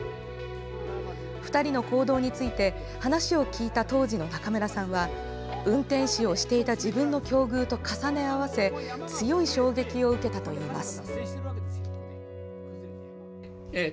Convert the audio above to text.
２人の行動について話を聞いた当時の中村さんは運転士をしていた自分の境遇と重ね合わせ強い衝撃を受けたといいます。